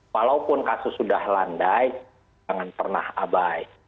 walaupun kasus sudah landai jangan pernah abai